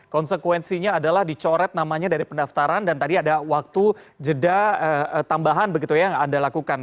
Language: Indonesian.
konsekuensinya adalah dicoret namanya dari pendaftaran dan tadi ada waktu jeda tambahan begitu ya yang anda lakukan